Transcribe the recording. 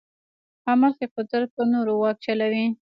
عمل کې قدرت پر نورو واک چلوي.